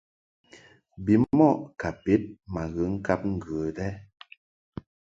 Bimɔʼ ka bed ma ghe ŋkab ŋgə lɛ.